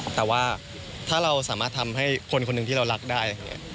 แต่ว่าถ้าเราสามารถทำให้คนคนหนึ่งที่เรารักได้